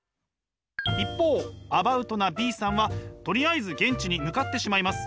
一方アバウトなＢさんはとりあえず現地に向かってしまいます。